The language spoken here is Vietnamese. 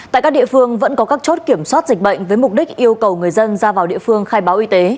tại các địa phương vẫn có các chốt kiểm soát dịch bệnh với mục đích yêu cầu người dân ra vào địa phương khai báo y tế